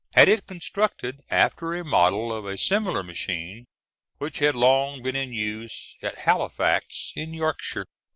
had it constructed after a model of a similar machine, which had long been in use at Halifax, in Yorkshire.